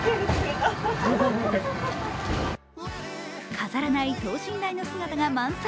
飾らない等身大の姿が満載。